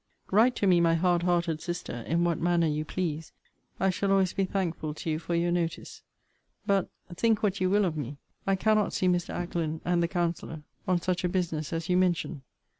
Write to me, my hard hearted Sister, in what manner you please, I shall always be thankful to you for your notice. But (think what you will of me) I cannot see Mr. Ackland and the counselor on such a business as you mention.